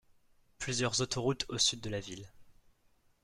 Plusieurs autoroutes au sud de la ville.